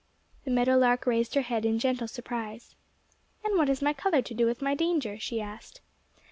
The meadow lark raised her head in gentle surprise. "And what has my colour to do with my danger?" she asked.